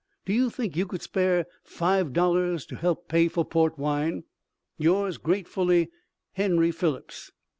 Do you think you could spare five dollars to help pay for port wine Yours gratefully Henry Phillips?